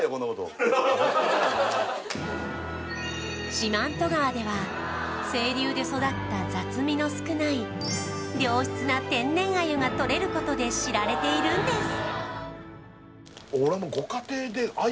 四万十川では清流で育った雑味の少ない良質な天然鮎がとれることで知られているんです俺・